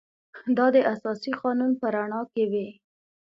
دا د اساسي قانون په رڼا کې وي.